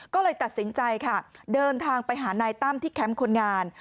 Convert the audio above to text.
ก็เลยตัดสินใจค่ะเดินทางไปหานายตั้มที่แคมป์คนงาน